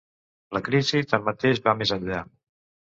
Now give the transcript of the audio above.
La crisi, tanmateix, va més enllà.